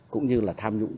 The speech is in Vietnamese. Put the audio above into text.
cũng như là tham nhũng